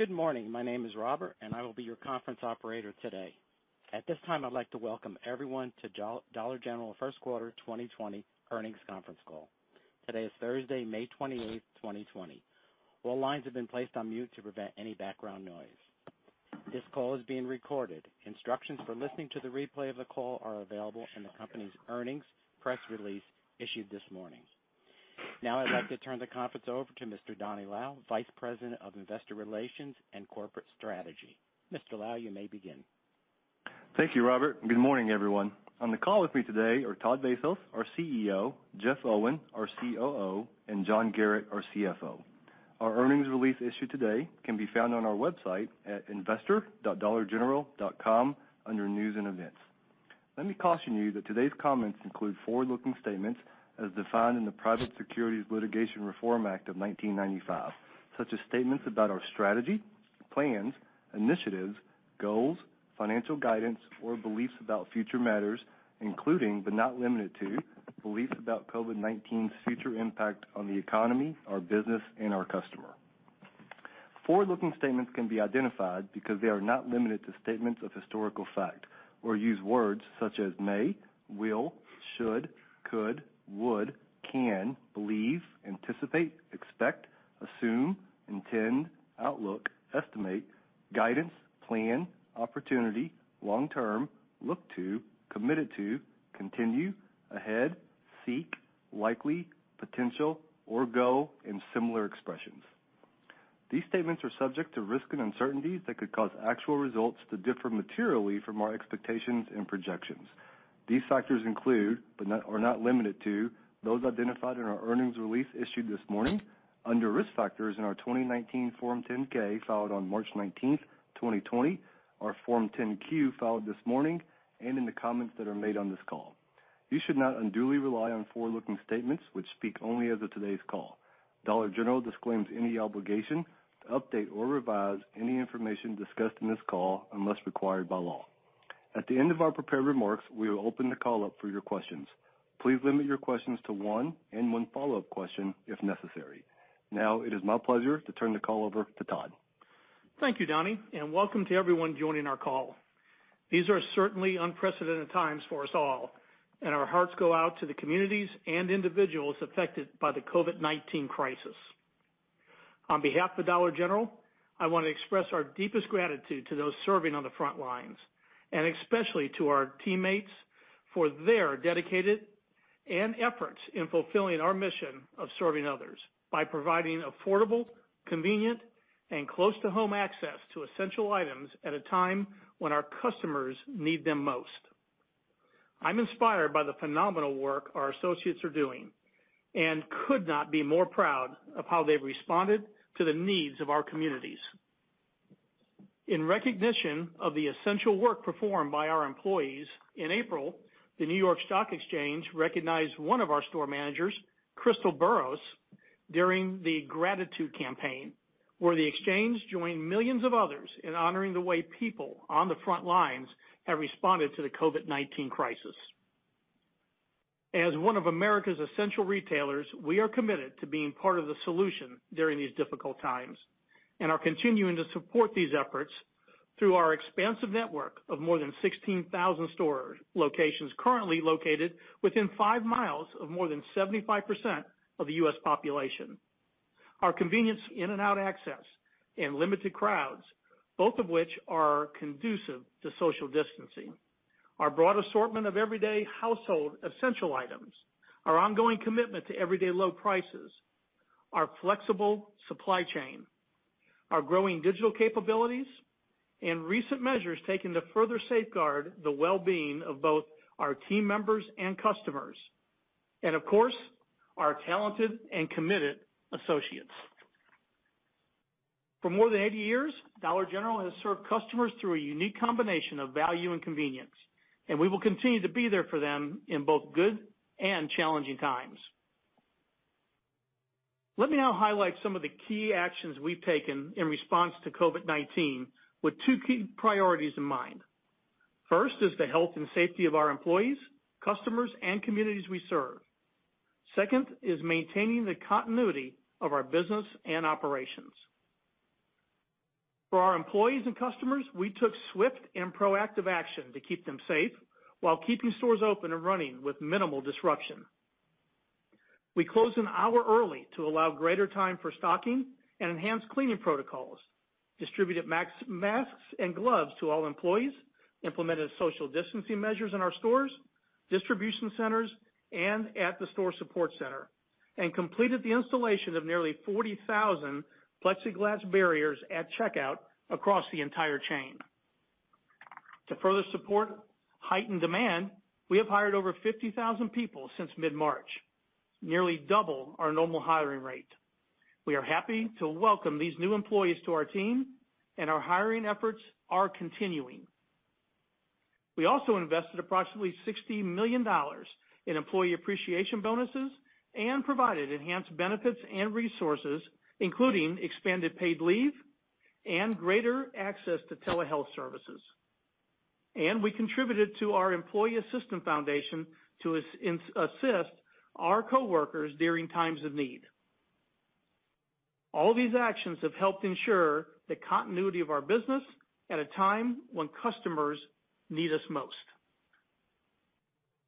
Good morning. My name is Robert, and I will be your conference operator today. At this time, I'd like to welcome everyone to Dollar General First Quarter 2020 Earnings Conference Call. Today is Thursday, May 28, 2020. All lines have been placed on mute to prevent any background noise. This call is being recorded. Instructions for listening to the replay of the call are available in the company's earnings press release issued this morning. Now I'd like to turn the conference over to Mr. Donny Lau, Vice President of Investor Relations and Corporate Strategy. Mr. Lau, you may begin. Thank you, Robert, and good morning, everyone. On the call with me today are Todd Vasos, our CEO, Jeff Owen, our COO, and John Garratt, our CFO. Our earnings release issued today can be found on our website at investor.dollargeneral.com under News and Events. Let me caution you that today's comments include forward-looking statements as defined in the Private Securities Litigation Reform Act of 1995, such as statements about our strategy, plans, initiatives, goals, financial guidance or beliefs about future matters, including, but not limited to, beliefs about COVID-19's future impact on the economy, our business, and our customer. Forward-looking statements can be identified because they are not limited to statements of historical fact or use words such as may, will, should, could, would, can, believe, anticipate, expect, assume, intend, outlook, estimate, guidance, plan, opportunity, long-term, look to, committed to, continue, ahead, seek, likely, potential, or go, and similar expressions. These statements are subject to risks and uncertainties that could cause actual results to differ materially from our expectations and projections. These factors include, but are not limited to, those identified in our earnings release issued this morning under Risk Factors in our 2019 Form 10-K filed on March 19, 2020, our Form 10-Q filed this morning, and in the comments that are made on this call. You should not unduly rely on forward-looking statements, which speak only as of today's call. Dollar General disclaims any obligation to update or revise any information discussed on this call unless required by law. At the end of our prepared remarks, we will open the call up for your questions. Please limit your questions to one and one follow-up question if necessary. Now it is my pleasure to turn the call over to Todd. Thank you, Donny, and welcome to everyone joining our call. These are certainly unprecedented times for us all, and our hearts go out to the communities and individuals affected by the COVID-19 crisis. On behalf of Dollar General, I want to express our deepest gratitude to those serving on the front lines, and especially to our teammates for their dedication and efforts in fulfilling our mission of serving others by providing affordable, convenient, and close-to-home access to essential items at a time when our customers need them most. I'm inspired by the phenomenal work our associates are doing and could not be more proud of how they've responded to the needs of our communities. In recognition of the essential work performed by our employees in April, the New York Stock Exchange recognized one of our store managers, Crystal Burroughs, during the #Gratitude Campaign, where the exchange joined millions of others in honoring the way people on the front lines have responded to the COVID-19 crisis. As one of America's essential retailers, we are committed to being part of the solution during these difficult times and are continuing to support these efforts through our expansive network of more than 16,000 store locations currently located within five miles of more than 75% of the U.S. population. Our convenience in-and-out access and limited crowds, both of which are conducive to social distancing, our broad assortment of everyday household essential items, our ongoing commitment to everyday low prices, our flexible supply chain, our growing digital capabilities, and recent measures taken to further safeguard the well-being of both our team members and customers, and of course, our talented and committed associates. For more than 80 years, Dollar General has served customers through a unique combination of value and convenience. We will continue to be there for them in both good and challenging times. Let me now highlight some of the key actions we've taken in response to COVID-19 with two key priorities in mind. First is the health and safety of our employees, customers, and communities we serve. Second is maintaining the continuity of our business and operations. For our employees and customers, we took swift and proactive action to keep them safe while keeping stores open and running with minimal disruption. We closed an hour early to allow greater time for stocking and enhanced cleaning protocols, distributed masks and gloves to all employees, implemented social distancing measures in our stores, distribution centers, and at the store support center, and completed the installation of nearly 40,000 plexiglass barriers at checkout across the entire chain. To further support heightened demand, we have hired over 50,000 people since mid-March, nearly double our normal hiring rate. We are happy to welcome these new employees to our team, and our hiring efforts are continuing. We also invested approximately $60 million in employee appreciation bonuses and provided enhanced benefits and resources, including expanded paid leave and greater access to telehealth services. We contributed to our Employee Assistance Foundation to assist our coworkers during times of need. All these actions have helped ensure the continuity of our business at a time when customers need us most.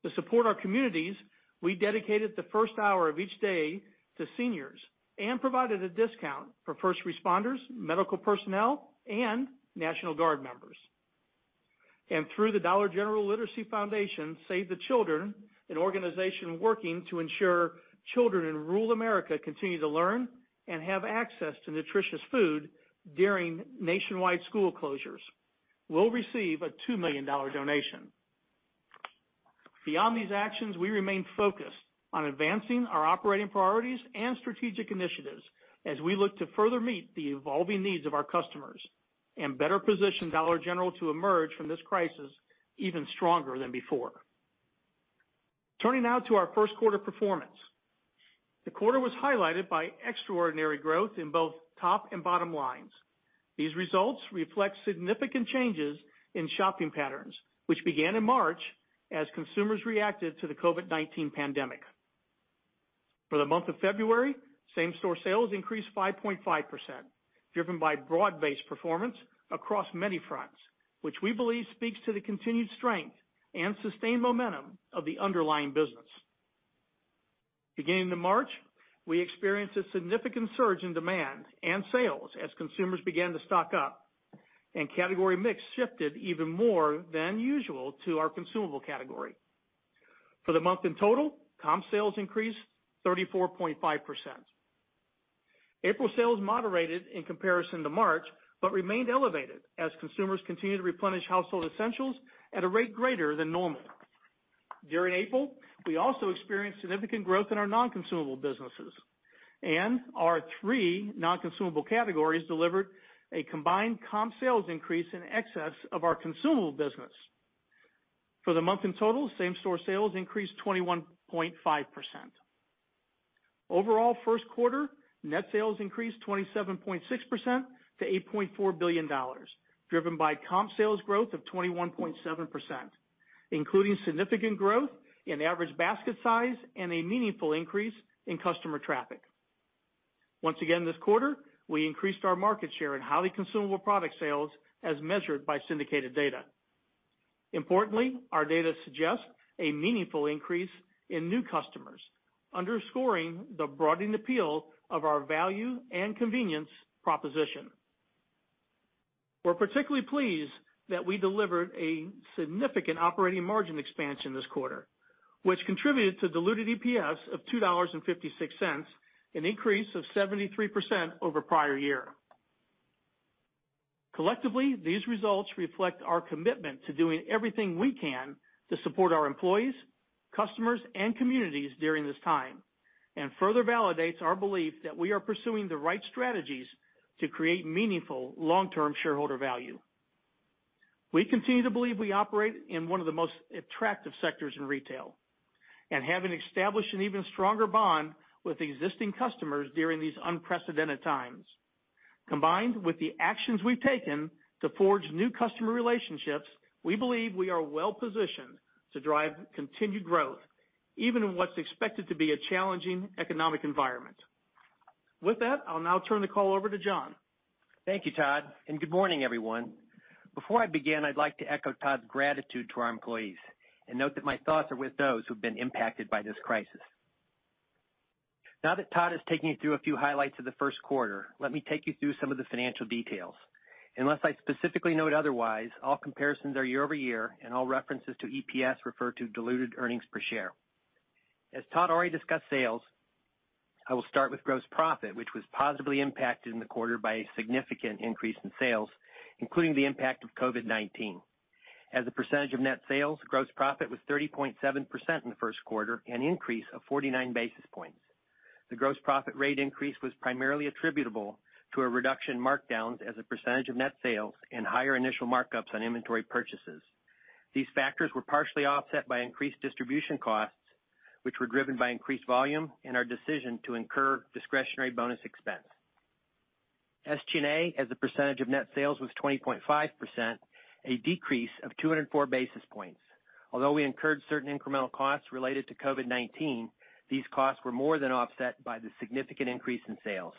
To support our communities, we dedicated the first hour of each day to seniors and provided a discount for first responders, medical personnel, and National Guard members. Through the Dollar General Literacy Foundation, Save the Children, an organization working to ensure children in rural America continue to learn and have access to nutritious food during nationwide school closures, will receive a $2 million donation. Beyond these actions, we remain focused on advancing our operating priorities and strategic initiatives as we look to further meet the evolving needs of our customers and better position Dollar General to emerge from this crisis even stronger than before. Turning now to our first quarter performance. The quarter was highlighted by extraordinary growth in both top and bottom lines. These results reflect significant changes in shopping patterns, which began in March as consumers reacted to the COVID-19 pandemic. For the month of February, same-store sales increased 5.5%, driven by broad-based performance across many fronts, which we believe speaks to the continued strength and sustained momentum of the underlying business. Beginning in March, we experienced a significant surge in demand and sales as consumers began to stock up, and category mix shifted even more than usual to our consumable category. For the month in total, comp sales increased 34.5%. April sales moderated in comparison to March, but remained elevated as consumers continued to replenish household essentials at a rate greater than normal. During April, we also experienced significant growth in our non-consumable businesses, and our three non-consumable categories delivered a combined comp sales increase in excess of our consumable business. For the month in total, same-store sales increased 21.5%. Overall, first quarter net sales increased 27.6% to $8.4 billion, driven by comp sales growth of 21.7%, including significant growth in average basket size and a meaningful increase in customer traffic. Once again, this quarter, we increased our market share in highly consumable product sales as measured by syndicated data. Importantly, our data suggests a meaningful increase in new customers, underscoring the broadening appeal of our value and convenience proposition. We're particularly pleased that we delivered a significant operating margin expansion this quarter, which contributed to diluted EPS of $2.56, an increase of 73% over prior year. Collectively, these results reflect our commitment to doing everything we can to support our employees, customers, and communities during this time, and further validates our belief that we are pursuing the right strategies to create meaningful long-term shareholder value. We continue to believe we operate in one of the most attractive sectors in retail and have established an even stronger bond with existing customers during these unprecedented times. Combined with the actions we've taken to forge new customer relationships, we believe we are well-positioned to drive continued growth, even in what's expected to be a challenging economic environment. With that, I'll now turn the call over to John. Thank you, Todd, and good morning, everyone. Before I begin, I'd like to echo Todd's gratitude to our employees and note that my thoughts are with those who've been impacted by this crisis. Now that Todd has taken you through a few highlights of the first quarter, let me take you through some of the financial details. Unless I specifically note otherwise, all comparisons are year-over-year and all references to EPS refer to diluted earnings per share. As Todd already discussed sales, I will start with gross profit, which was positively impacted in the quarter by a significant increase in sales, including the impact of COVID-19. As a percentage of net sales, gross profit was 30.7% in the first quarter, an increase of 49 basis points. The gross profit rate increase was primarily attributable to a reduction in markdowns as a percentage of net sales and higher initial markups on inventory purchases. These factors were partially offset by increased distribution costs, which were driven by increased volume and our decision to incur discretionary bonus expense. SG&A as a percentage of net sales was 20.5%, a decrease of 204 basis points. Although we incurred certain incremental costs related to COVID-19, these costs were more than offset by the significant increase in sales.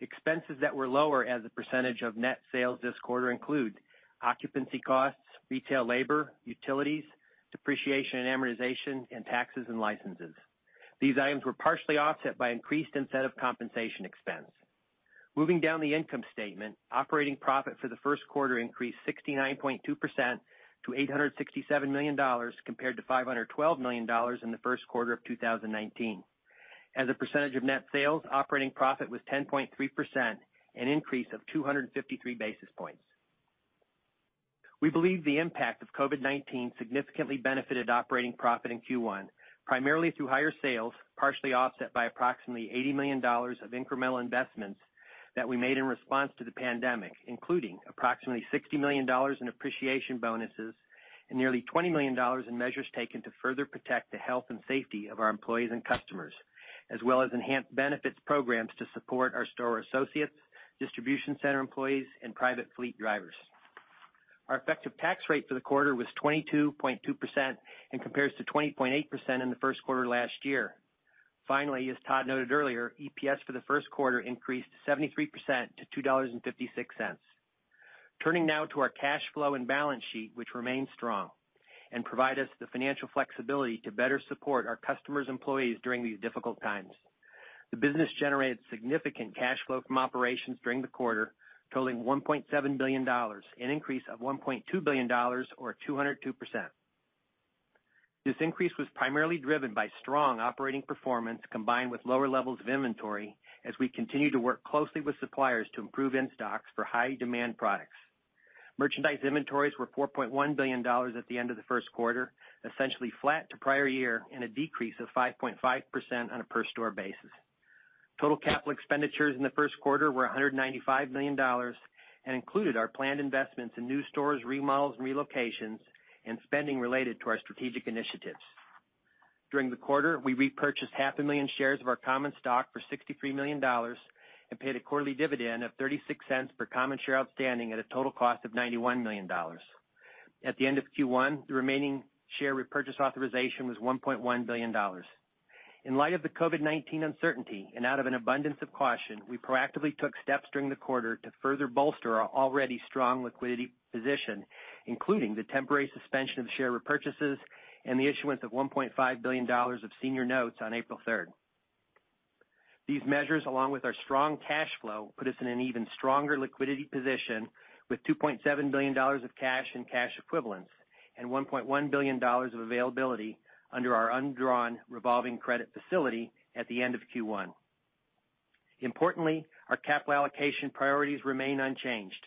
Expenses that were lower as a percentage of net sales this quarter include occupancy costs, retail labor, utilities, depreciation and amortization, and taxes and licenses. These items were partially offset by increased incentive compensation expense. Moving down the income statement, operating profit for the first quarter increased 69.2% to $867 million, compared to $512 million in the first quarter of 2019. As a percentage of net sales, operating profit was 10.3%, an increase of 253 basis points. We believe the impact of COVID-19 significantly benefited operating profit in Q1, primarily through higher sales, partially offset by approximately $80 million of incremental investments that we made in response to the pandemic, including approximately $60 million in appreciation bonuses and nearly $20 million in measures taken to further protect the health and safety of our employees and customers, as well as enhanced benefits programs to support our store associates, distribution center employees, and private fleet drivers. Our effective tax rate for the quarter was 22.2% and compares to 20.8% in the first quarter last year. Finally, as Todd noted earlier, EPS for the first quarter increased 73% to $2.56. Turning now to our cash flow and balance sheet, which remain strong and provide us the financial flexibility to better support our customers' employees during these difficult times. The business generated significant cash flow from operations during the quarter, totaling $1.7 billion, an increase of $1.2 billion or 202%. This increase was primarily driven by strong operating performance combined with lower levels of inventory as we continue to work closely with suppliers to improve in-stocks for high-demand products. Merchandise inventories were $4.1 billion at the end of the first quarter, essentially flat to prior year and a decrease of 5.5% on a per store basis. Total capital expenditures in the first quarter were $195 million and included our planned investments in new stores, remodels and relocations, and spending related to our strategic initiatives. During the quarter, we repurchased half a million shares of our common stock for $63 million and paid a quarterly dividend of $0.36 per common share outstanding at a total cost of $91 million. At the end of Q1, the remaining share repurchase authorization was $1.1 billion. In light of the COVID-19 uncertainty and out of an abundance of caution, we proactively took steps during the quarter to further bolster our already strong liquidity position, including the temporary suspension of share repurchases and the issuance of $1.5 billion of senior notes on April 3rd. These measures, along with our strong cash flow, put us in an even stronger liquidity position with $2.7 billion of cash and cash equivalents and $1.1 billion of availability under our undrawn revolving credit facility at the end of Q1. Importantly, our capital allocation priorities remain unchanged.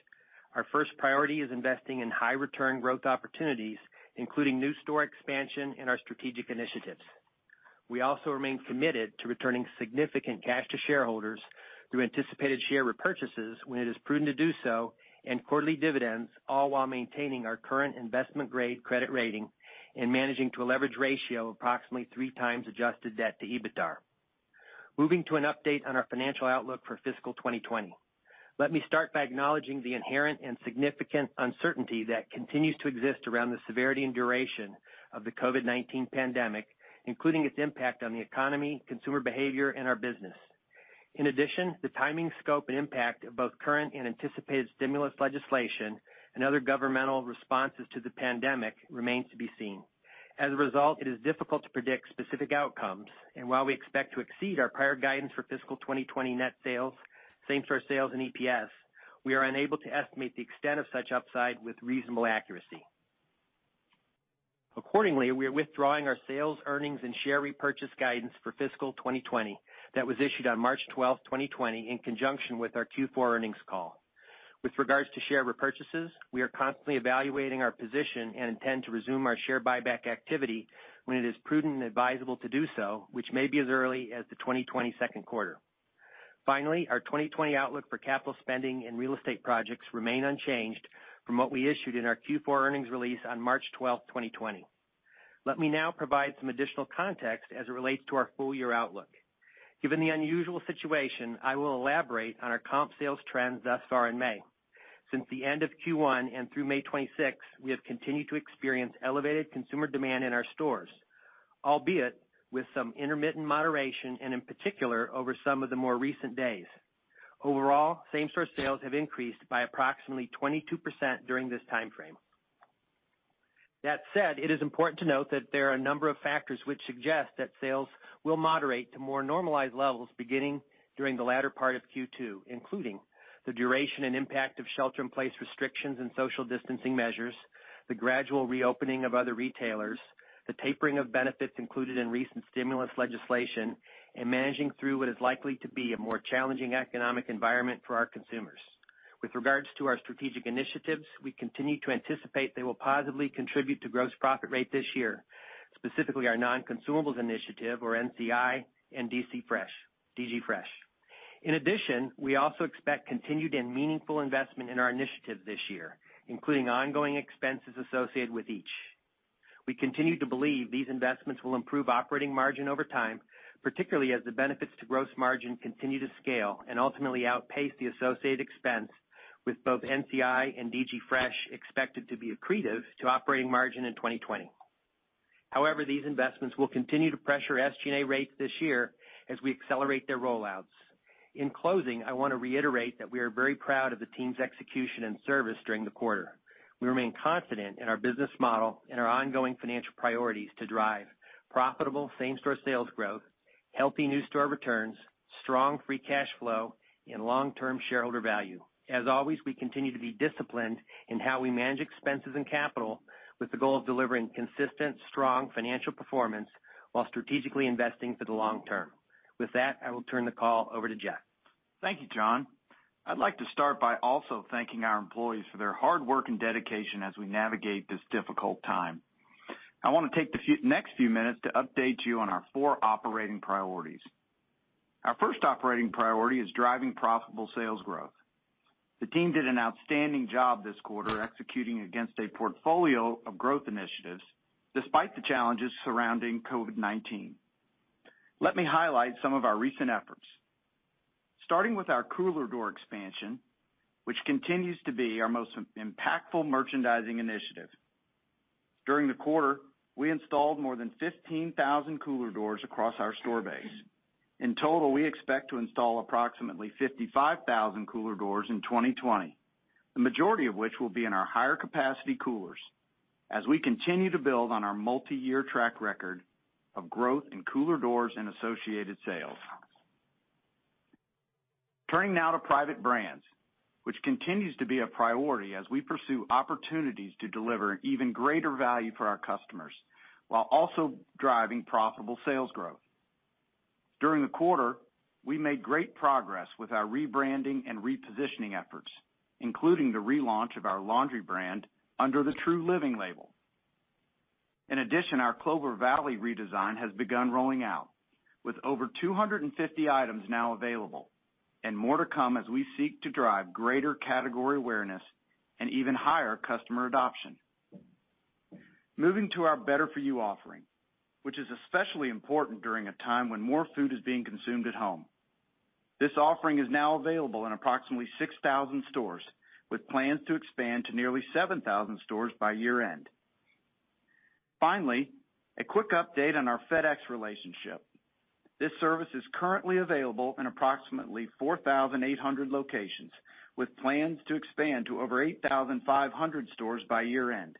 Our first priority is investing in high return growth opportunities, including new store expansion and our strategic initiatives. We also remain committed to returning significant cash to shareholders through anticipated share repurchases when it is prudent to do so and quarterly dividends, all while maintaining our current investment-grade credit rating and managing to a leverage ratio of approximately 3x adjusted debt to EBITDA. Moving to an update on our financial outlook for fiscal 2020. Let me start by acknowledging the inherent and significant uncertainty that continues to exist around the severity and duration of the COVID-19 pandemic, including its impact on the economy, consumer behavior, and our business. In addition, the timing, scope, and impact of both current and anticipated stimulus legislation and other governmental responses to the pandemic remains to be seen. As a result, it is difficult to predict specific outcomes, and while we expect to exceed our prior guidance for fiscal 2020 net sales, same-store sales, and EPS, we are unable to estimate the extent of such upside with reasonable accuracy. Accordingly, we are withdrawing our sales, earnings, and share repurchase guidance for fiscal 2020 that was issued on March 12, 2020, in conjunction with our Q4 earnings call. With regards to share repurchases, we are constantly evaluating our position and intend to resume our share buyback activity when it is prudent and advisable to do so, which may be as early as the 2020 second quarter. Finally, our 2020 outlook for capital spending and real estate projects remain unchanged from what we issued in our Q4 earnings release on March 12, 2020. Let me now provide some additional context as it relates to our full-year outlook. Given the unusual situation, I will elaborate on our comp sales trends thus far in May. Since the end of Q1 and through May 26th, we have continued to experience elevated consumer demand in our stores, albeit with some intermittent moderation and in particular over some of the more recent days. Overall, same-store sales have increased by approximately 22% during this time frame. That said, it is important to note that there are a number of factors which suggest that sales will moderate to more normalized levels beginning during the latter part of Q2, including the duration and impact of shelter-in-place restrictions and social distancing measures, the gradual reopening of other retailers, the tapering of benefits included in recent stimulus legislation, and managing through what is likely to be a more challenging economic environment for our consumers. With regards to our strategic initiatives, we continue to anticipate they will positively contribute to gross profit rate this year, specifically our Non-Consumables Initiative or NCI and DG Fresh. We also expect continued and meaningful investment in our initiatives this year, including ongoing expenses associated with each. We continue to believe these investments will improve operating margin over time, particularly as the benefits to gross margin continue to scale and ultimately outpace the associated expense with both NCI and DG Fresh expected to be accretive to operating margin in 2020. These investments will continue to pressure SG&A rates this year as we accelerate their rollouts. In closing, I want to reiterate that we are very proud of the team's execution and service during the quarter. We remain confident in our business model and our ongoing financial priorities to drive profitable same-store sales growth, healthy new store returns, strong free cash flow, and long-term shareholder value. As always, we continue to be disciplined in how we manage expenses and capital with the goal of delivering consistent, strong financial performance while strategically investing for the long term. With that, I will turn the call over to Jeff. Thank you, John. I'd like to start by also thanking our employees for their hard work and dedication as we navigate this difficult time. I want to take the next few minutes to update you on our four operating priorities. Our first operating priority is driving profitable sales growth. The team did an outstanding job this quarter executing against a portfolio of growth initiatives, despite the challenges surrounding COVID-19. Let me highlight some of our recent efforts. Starting with our cooler door expansion, which continues to be our most impactful merchandising initiative. During the quarter, we installed more than 15,000 cooler doors across our store base. In total, we expect to install approximately 55,000 cooler doors in 2020, the majority of which will be in our higher capacity coolers as we continue to build on our multi-year track record of growth in cooler doors and associated sales. Turning now to private brands, which continues to be a priority as we pursue opportunities to deliver even greater value for our customers, while also driving profitable sales growth. During the quarter, we made great progress with our rebranding and repositioning efforts, including the relaunch of our laundry brand under the Trueliving label. In addition, our Clover Valley redesign has begun rolling out with over 250 items now available and more to come as we seek to drive greater category awareness and even higher customer adoption. Moving to our Better For You offering, which is especially important during a time when more food is being consumed at home. This offering is now available in approximately 6,000 stores, with plans to expand to nearly 7,000 stores by year-end. Finally, a quick update on our FedEx relationship. This service is currently available in approximately 4,800 locations, with plans to expand to over 8,500 stores by year-end,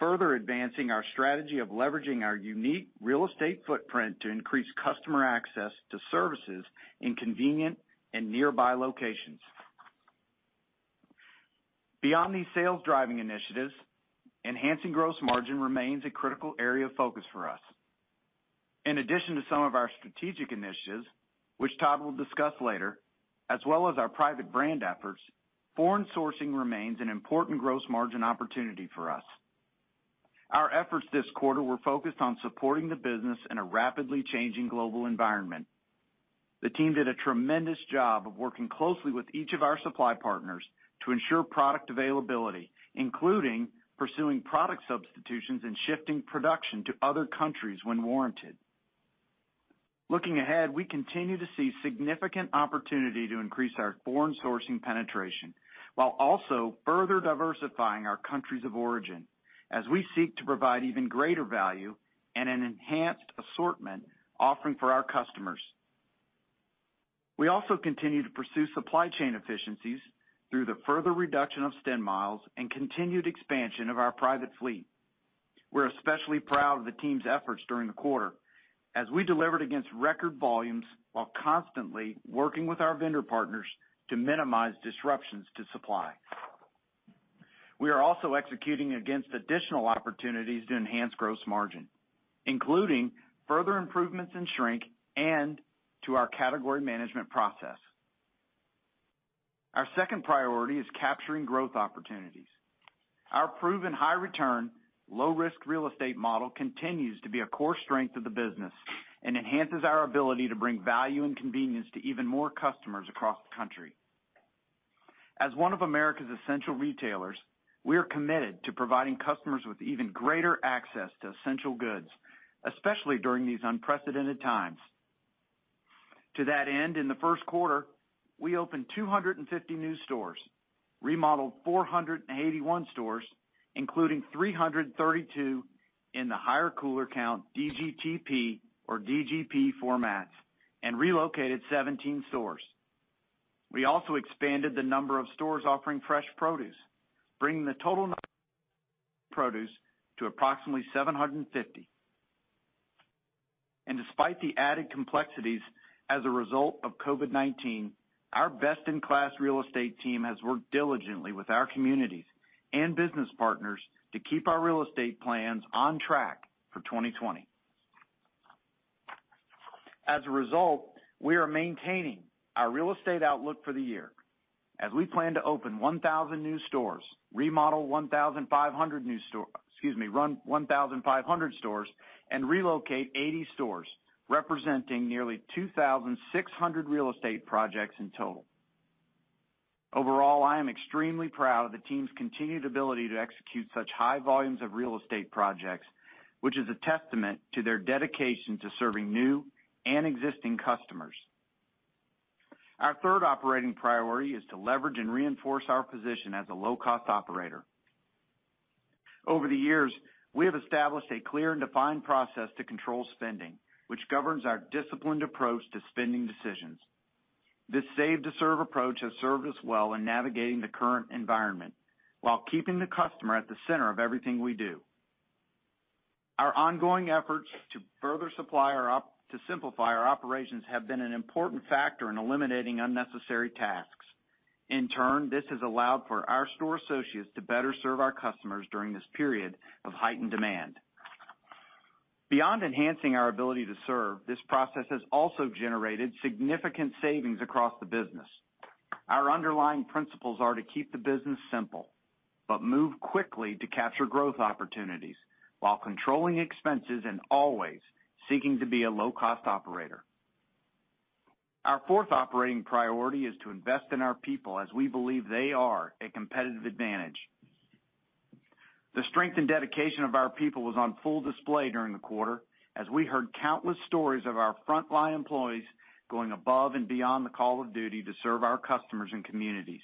further advancing our strategy of leveraging our unique real estate footprint to increase customer access to services in convenient and nearby locations. Beyond these sales-driving initiatives, enhancing gross margin remains a critical area of focus for us. In addition to some of our strategic initiatives, which Todd will discuss later, as well as our private brand efforts, foreign sourcing remains an important gross margin opportunity for us. Our efforts this quarter were focused on supporting the business in a rapidly changing global environment. The team did a tremendous job of working closely with each of our supply partners to ensure product availability, including pursuing product substitutions and shifting production to other countries when warranted. Looking ahead, we continue to see significant opportunity to increase our foreign sourcing penetration while also further diversifying our countries of origin as we seek to provide even greater value and an enhanced assortment offering for our customers. We also continue to pursue supply chain efficiencies through the further reduction of stem miles and continued expansion of our private fleet. We're especially proud of the team's efforts during the quarter as we delivered against record volumes while constantly working with our vendor partners to minimize disruptions to supply. We are also executing against additional opportunities to enhance gross margin, including further improvements in shrink and to our category management process. Our second priority is capturing growth opportunities. Our proven high return, low risk real estate model continues to be a core strength of the business and enhances our ability to bring value and convenience to even more customers across the country. As one of America's essential retailers, we are committed to providing customers with even greater access to essential goods, especially during these unprecedented times. To that end, in the first quarter, we opened 250 new stores, remodeled 481 stores, including 332 in the higher cooler count DGTP or DGP formats, and relocated 17 stores. We also expanded the number of stores offering fresh produce, bringing the total number produce to approximately 750. Despite the added complexities as a result of COVID-19, our best-in-class real estate team has worked diligently with our communities and business partners to keep our real estate plans on track for 2020. As a result, we are maintaining our real estate outlook for the year as we plan to open 1,000 new stores, excuse me, run 1,500 stores and relocate 80 stores, representing nearly 2,600 real estate projects in total. Overall, I am extremely proud of the team's continued ability to execute such high volumes of real estate projects, which is a testament to their dedication to serving new and existing customers. Our third operating priority is to leverage and reinforce our position as a low-cost operator. Over the years, we have established a clear and defined process to control spending, which governs our disciplined approach to spending decisions. This save to serve approach has served us well in navigating the current environment while keeping the customer at the center of everything we do. Our ongoing efforts to further simplify our operations have been an important factor in eliminating unnecessary tasks. In turn, this has allowed for our store associates to better serve our customers during this period of heightened demand. Beyond enhancing our ability to serve, this process has also generated significant savings across the business. Our underlying principles are to keep the business simple. Move quickly to capture growth opportunities while controlling expenses and always seeking to be a low-cost operator. Our fourth operating priority is to invest in our people as we believe they are a competitive advantage. The strength and dedication of our people was on full display during the quarter, as we heard countless stories of our frontline employees going above and beyond the call of duty to serve our customers and communities.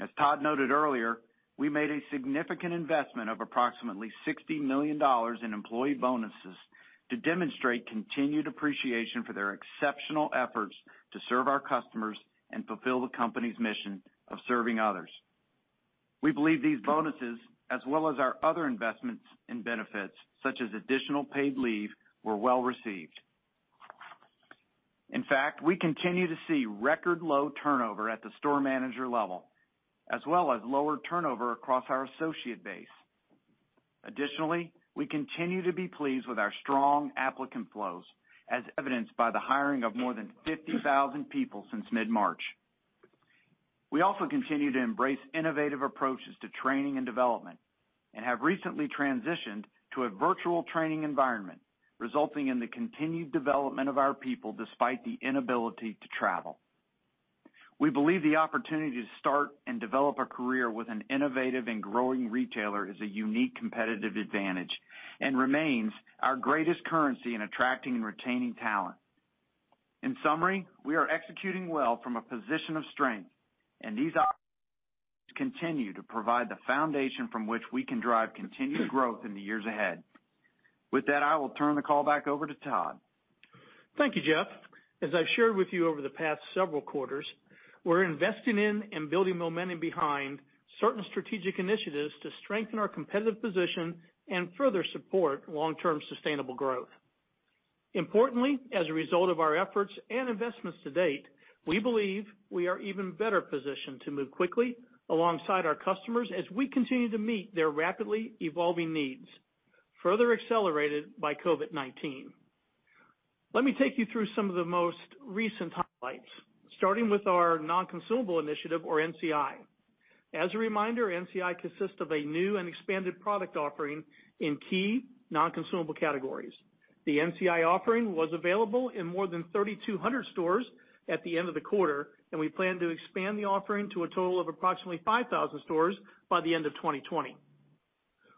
As Todd noted earlier, we made a significant investment of approximately $60 million in employee bonuses to demonstrate continued appreciation for their exceptional efforts to serve our customers and fulfill the company's mission of serving others. We believe these bonuses, as well as our other investments in benefits such as additional paid leave, were well-received. In fact, we continue to see record low turnover at the store manager level, as well as lower turnover across our associate base. Additionally, we continue to be pleased with our strong applicant flows, as evidenced by the hiring of more than 50,000 people since mid-March. We also continue to embrace innovative approaches to training and development and have recently transitioned to a virtual training environment, resulting in the continued development of our people despite the inability to travel. We believe the opportunity to start and develop a career with an innovative and growing retailer is a unique competitive advantage and remains our greatest currency in attracting and retaining talent. In summary, we are executing well from a position of strength, and these opportunities continue to provide the foundation from which we can drive continued growth in the years ahead. With that, I will turn the call back over to Todd. Thank you, Jeff. As I've shared with you over the past several quarters, we're investing in and building momentum behind certain strategic initiatives to strengthen our competitive position and further support long-term sustainable growth. Importantly, as a result of our efforts and investments to date, we believe we are even better positioned to move quickly alongside our customers as we continue to meet their rapidly evolving needs, further accelerated by COVID-19. Let me take you through some of the most recent highlights, starting with our Non-consumable Initiative or NCI. As a reminder, NCI consists of a new and expanded product offering in key non-consumable categories. The NCI offering was available in more than 3,200 stores at the end of the quarter, and we plan to expand the offering to a total of approximately 5,000 stores by the end of 2020.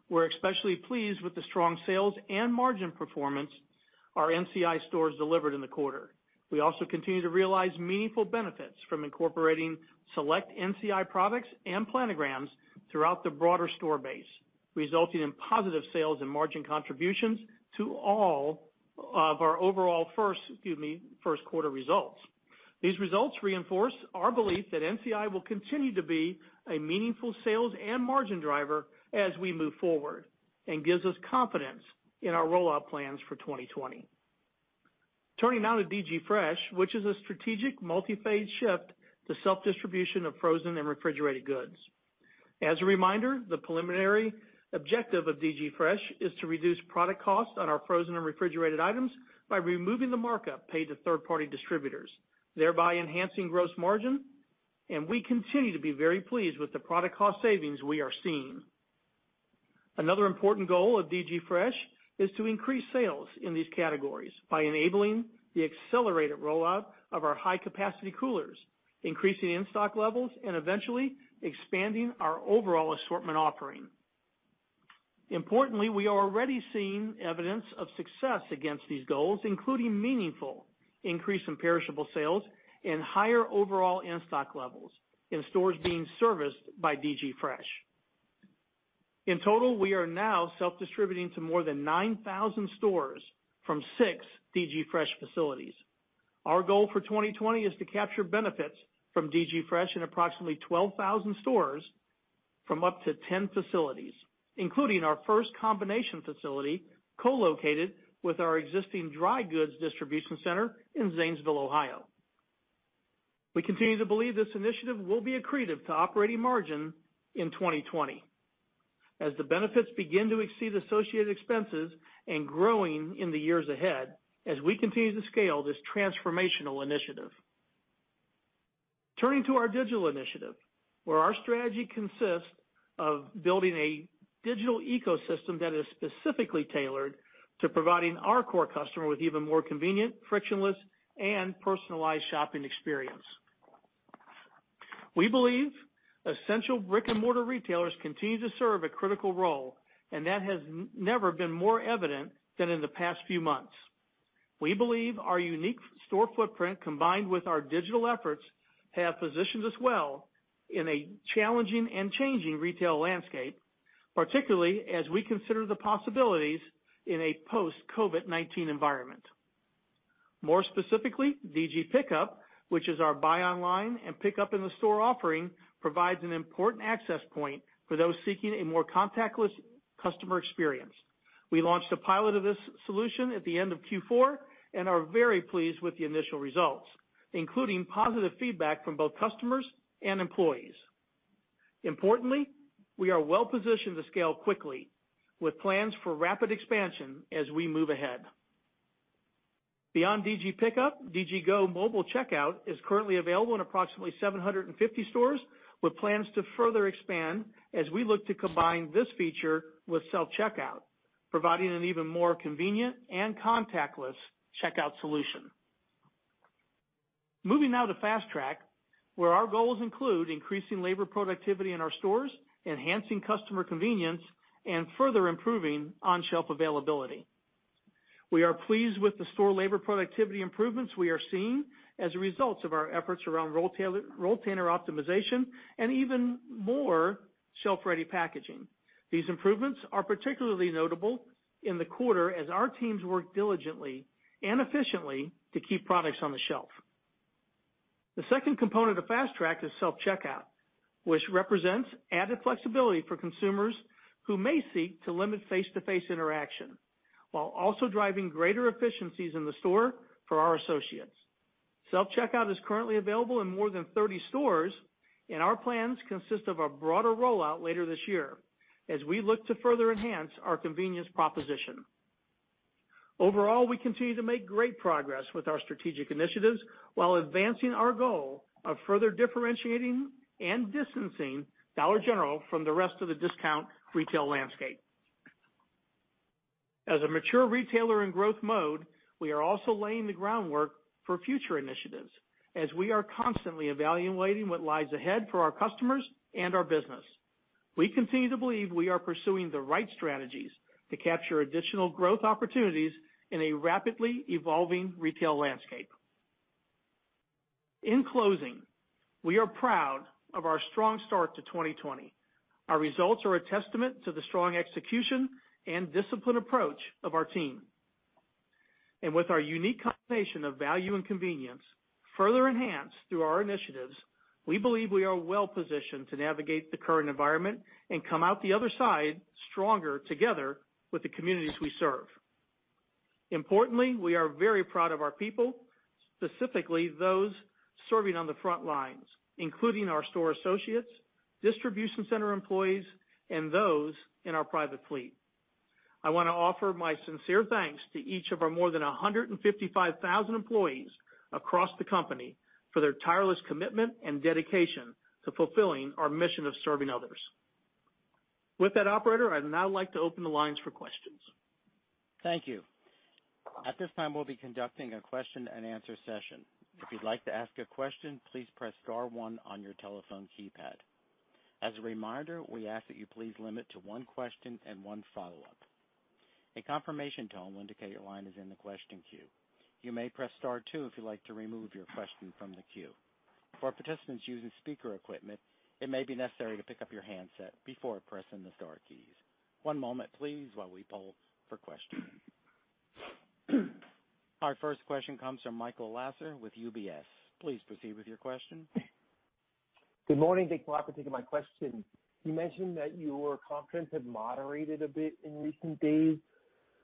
We're especially pleased with the strong sales and margin performance our NCI stores delivered in the quarter. We also continue to realize meaningful benefits from incorporating select NCI products and planograms throughout the broader store base, resulting in positive sales and margin contributions to all of our overall first quarter results. These results reinforce our belief that NCI will continue to be a meaningful sales and margin driver as we move forward and gives us confidence in our rollout plans for 2020. Turning now to DG Fresh, which is a strategic multi-phase shift to self-distribution of frozen and refrigerated goods. As a reminder, the preliminary objective of DG Fresh is to reduce product costs on our frozen and refrigerated items by removing the markup paid to third-party distributors, thereby enhancing gross margin, and we continue to be very pleased with the product cost savings we are seeing. Another important goal of DG Fresh is to increase sales in these categories by enabling the accelerated rollout of our high-capacity coolers, increasing in-stock levels, and eventually expanding our overall assortment offering. Importantly, we are already seeing evidence of success against these goals, including meaningful increase in perishable sales and higher overall in-stock levels in stores being serviced by DG Fresh. In total, we are now self-distributing to more than 9,000 stores from six DG Fresh facilities. Our goal for 2020 is to capture benefits from DG Fresh in approximately 12,000 stores from up to 10 facilities, including our first combination facility co-located with our existing dry goods distribution center in Zanesville, Ohio. We continue to believe this initiative will be accretive to operating margin in 2020 as the benefits begin to exceed associated expenses and growing in the years ahead as we continue to scale this transformational initiative. Turning to our digital initiative, where our strategy consists of building a digital ecosystem that is specifically tailored to providing our core customer with even more convenient, frictionless, and personalized shopping experience. We believe essential brick-and-mortar retailers continue to serve a critical role, and that has never been more evident than in the past few months. We believe our unique store footprint, combined with our digital efforts, have positioned us well in a challenging and changing retail landscape, particularly as we consider the possibilities in a post-COVID-19 environment. More specifically, DG Pickup, which is our buy online and pick up in the store offering, provides an important access point for those seeking a more contactless customer experience. We launched a pilot of this solution at the end of Q4 and are very pleased with the initial results, including positive feedback from both customers and employees. Importantly, we are well positioned to scale quickly with plans for rapid expansion as we move ahead. Beyond DG Pickup, DG GO! mobile checkout is currently available in approximately 750 stores, with plans to further expand as we look to combine this feature with self-checkout, providing an even more convenient and contactless checkout solution. Moving now to Fast Track, where our goals include increasing labor productivity in our stores, enhancing customer convenience, and further improving on-shelf availability. We are pleased with the store labor productivity improvements we are seeing as a result of our efforts around rolltainer optimization and even more shelf-ready packaging. These improvements are particularly notable in the quarter as our teams work diligently and efficiently to keep products on the shelf. The second component of Fast Track is self-checkout, which represents added flexibility for consumers who may seek to limit face-to-face interaction while also driving greater efficiencies in the store for our associates. Self-checkout is currently available in more than 30 stores, and our plans consist of a broader rollout later this year as we look to further enhance our convenience proposition. Overall, we continue to make great progress with our strategic initiatives while advancing our goal of further differentiating and distancing Dollar General from the rest of the discount retail landscape. As a mature retailer in growth mode, we are also laying the groundwork for future initiatives as we are constantly evaluating what lies ahead for our customers and our business. We continue to believe we are pursuing the right strategies to capture additional growth opportunities in a rapidly evolving retail landscape. In closing, we are proud of our strong start to 2020. Our results are a testament to the strong execution and disciplined approach of our team. With our unique combination of value and convenience, further enhanced through our initiatives, we believe we are well-positioned to navigate the current environment and come out the other side stronger together with the communities we serve. Importantly, we are very proud of our people, specifically those serving on the front lines, including our store associates, distribution center employees, and those in our private fleet. I want to offer my sincere thanks to each of our more than 155,000 employees across the company for their tireless commitment and dedication to fulfilling our mission of serving others. With that, operator, I'd now like to open the lines for questions. Thank you. At this time, we'll be conducting a question-and-answer session. If you'd like to ask a question, please press star one on your telephone keypad. As a reminder, we ask that you please limit to one question and one follow-up. A confirmation tone will indicate your line is in the question queue. You may press star two if you'd like to remove your question from the queue. For participants using speaker equipment, it may be necessary to pick up your handset before pressing the star keys. One moment, please, while we poll for questions. Our first question comes from Michael Lasser with UBS. Please proceed with your question. Good morning. Thanks a lot for taking my question. You mentioned that your confidence had moderated a bit in recent days.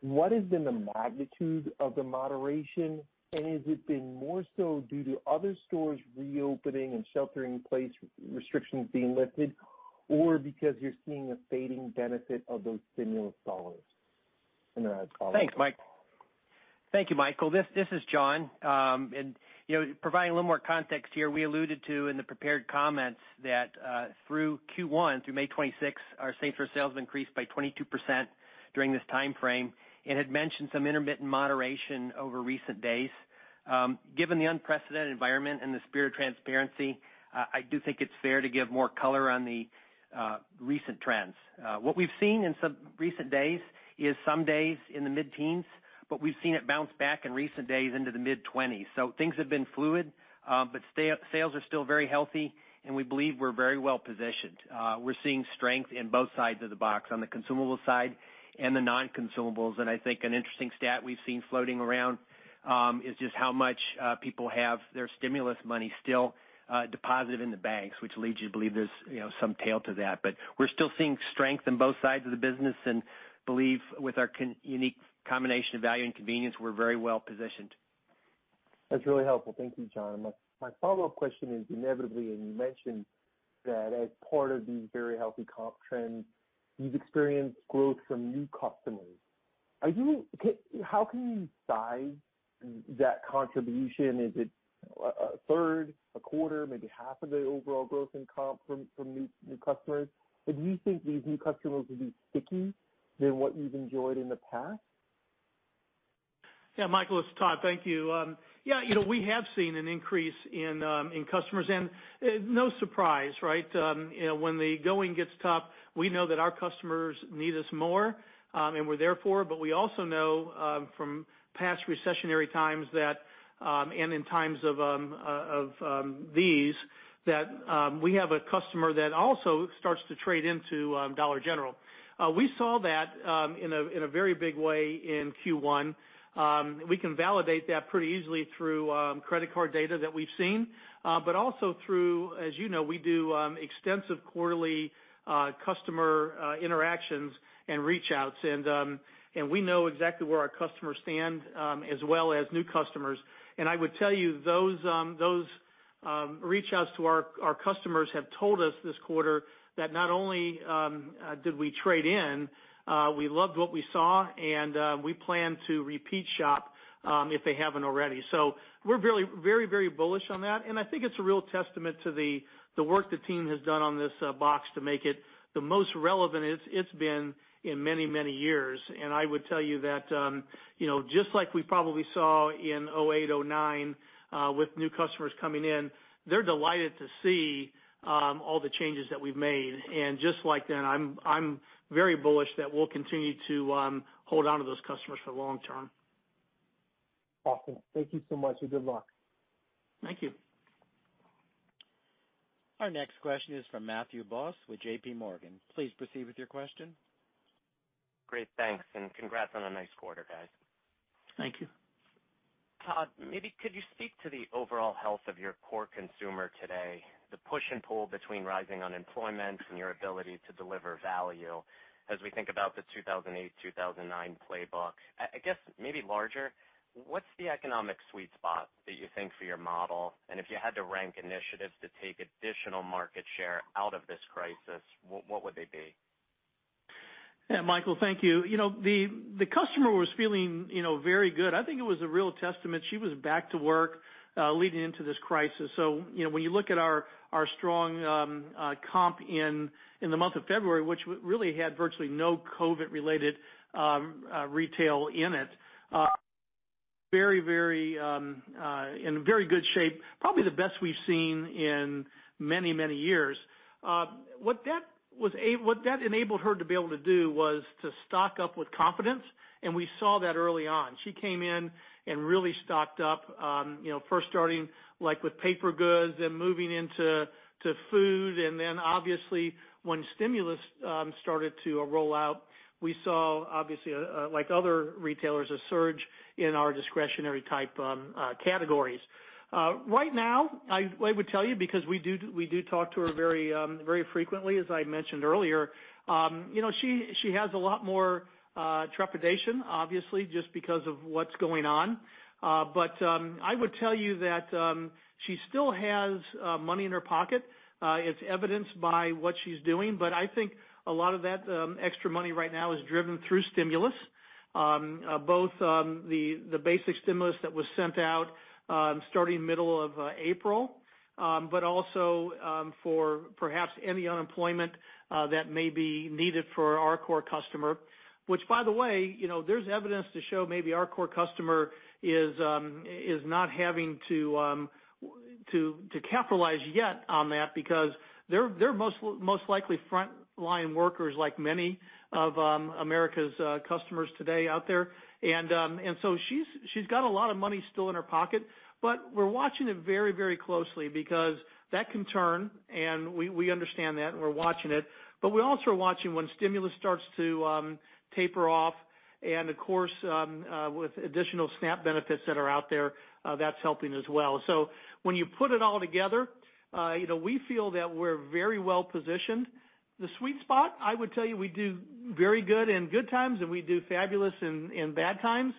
What has been the magnitude of the moderation, and has it been more so due to other stores reopening and shelter-in-place restrictions being lifted, or because you're seeing a fading benefit of those stimulus dollars? I have a follow-up. Thanks, Mike. Thank you, Michael. This is John. Providing a little more context here, we alluded to in the prepared comments that through Q1, through May 26th, our same-store sales increased by 22% during this timeframe and had mentioned some intermittent moderation over recent days. Given the unprecedented environment and the spirit of transparency, I do think it's fair to give more color on the recent trends. What we've seen in some recent days is some days in the mid-teens, but we've seen it bounce back in recent days into the mid-20s. Things have been fluid, but sales are still very healthy, and we believe we're very well-positioned. We're seeing strength in both sides of the box, on the consumable side and the non-consumables. I think an interesting stat we've seen floating around is just how much people have their stimulus money still deposited in the banks, which leads you to believe there's some tail to that. We're still seeing strength in both sides of the business and believe with our unique combination of value and convenience, we're very well-positioned. That's really helpful. Thank you, John. My follow-up question is inevitably, you mentioned that as part of these very healthy comp trends, you've experienced growth from new customers. How can you size that contribution? Is it a third, a quarter, maybe half of the overall growth in comp from new customers? Do you think these new customers will be stickier than what you've enjoyed in the past? Yeah, Michael, it's Todd. Thank you. Yeah, we have seen an increase in customers and no surprise, right? When the going gets tough, we know that our customers need us more, and we're there for. We also know from past recessionary times and in times of these, that we have a customer that also starts to trade into Dollar General. We saw that in a very big way in Q1. We can validate that pretty easily through credit card data that we've seen. Also through, as you know, we do extensive quarterly customer interactions and reach outs, and we know exactly where our customers stand, as well as new customers. I would tell you those reach outs to our customers have told us this quarter that not only did we trade in, we loved what we saw, and we plan to repeat shop, if they haven't already. We're very bullish on that, and I think it's a real testament to the work the team has done on this box to make it the most relevant it's been in many years. I would tell you that, just like we probably saw in 2008, 2009, with new customers coming in, they're delighted to see all the changes that we've made. Just like then, I'm very bullish that we'll continue to hold onto those customers for the long term. Awesome. Thank you so much, and good luck. Thank you. Our next question is from Matthew Boss with JPMorgan. Please proceed with your question. Great. Thanks. Congrats on a nice quarter, guys. Thank you. Todd, maybe could you speak to the overall health of your core consumer today, the push and pull between rising unemployment and your ability to deliver value as we think about the 2008, 2009 playbook? I guess maybe larger, what's the economic sweet spot that you think for your model, and if you had to rank initiatives to take additional market share out of this crisis, what would they be? Michael, thank you. The customer was feeling very good. I think it was a real testament. She was back to work leading into this crisis. When you look at our strong comp in the month of February, which really had virtually no COVID related retail in it, in very good shape, probably the best we've seen in many years. What that enabled her to be able to do was to stock up with confidence, and we saw that early on. She came in and really stocked up, first starting with paper goods, then moving into food, obviously when stimulus started to roll out, we saw, obviously like other retailers, a surge in our discretionary type categories. Right now, I would tell you because we do talk to her very frequently, as I mentioned earlier. She has a lot more trepidation, obviously, just because of what's going on. I would tell you that she still has money in her pocket, as evidenced by what she's doing. I think a lot of that extra money right now is driven through stimulus. Both the basic stimulus that was sent out starting middle of April but also for perhaps any unemployment that may be needed for our core customer, which by the way, there's evidence to show maybe our core customer is not having to capitalize yet on that because they're most likely frontline workers like many of America's customers today out there. She's got a lot of money still in her pocket, but we're watching it very closely because that can turn, and we understand that and we're watching it. We're also watching when stimulus starts to taper off and, of course, with additional SNAP benefits that are out there, that's helping as well. When you put it all together, we feel that we're very well-positioned. The sweet spot, I would tell you we do very good in good times and we do fabulous in bad times.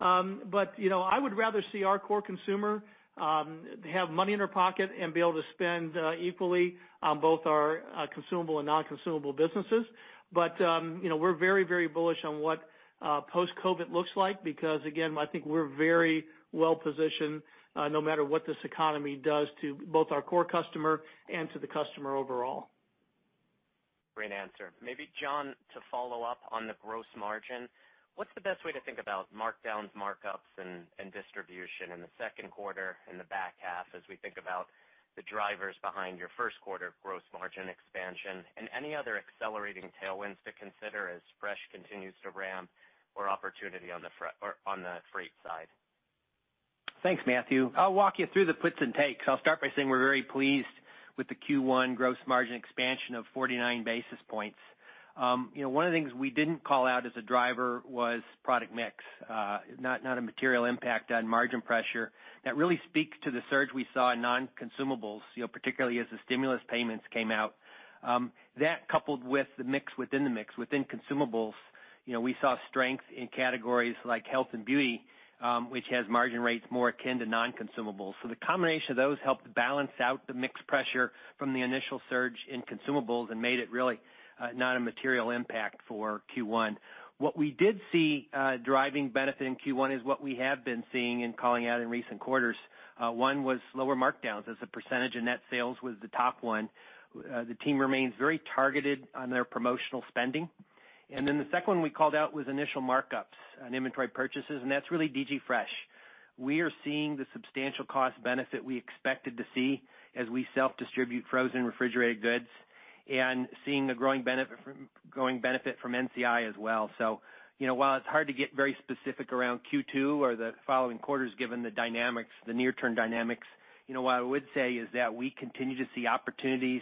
I would rather see our core consumer have money in her pocket and be able to spend equally on both our consumable and non-consumable businesses. We're very bullish on what post-COVID looks like because, again, I think we're very well-positioned, no matter what this economy does to both our core customer and to the customer overall. Great answer. Maybe John, to follow up on the gross margin, what's the best way to think about markdowns, markups, and distribution in the second quarter and the back half as we think about the drivers behind your first quarter gross margin expansion and any other accelerating tailwinds to consider as DG Fresh continues to ramp or opportunity on the freight side? Thanks, Matthew. I'll walk you through the puts and takes. I'll start by saying we're very pleased with the Q1 gross margin expansion of 49 basis points. One of the things we didn't call out as a driver was product mix. Not a material impact on margin pressure. That really speaks to the surge we saw in Non-Consumables, particularly as the stimulus payments came out. That coupled with the mix within the mix within consumables, we saw strength in categories like health and beauty, which has margin rates more akin to Non-Consumables. The combination of those helped balance out the mix pressure from the initial surge in consumables and made it really not a material impact for Q1. What we did see driving benefit in Q1 is what we have been seeing and calling out in recent quarters. One was lower markdowns as a percentage of net sales was the top one. The team remains very targeted on their promotional spending. The second one we called out was initial markups on inventory purchases, and that's really DG Fresh. We are seeing the substantial cost benefit we expected to see as we self-distribute frozen refrigerated goods and seeing a growing benefit from NCI as well. While it's hard to get very specific around Q2 or the following quarters given the near-term dynamics, what I would say is that we continue to see opportunities